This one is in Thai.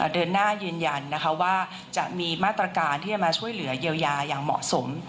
เดินหน้ายืนยันว่าจะมีมาตรการที่จะมาช่วยเหลือเยียวยาอย่างเหมาะสม